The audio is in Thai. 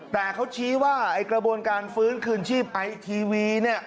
แต่เขาชี้ว่ากระบวนการฟื้นคืนชีพไอทีวี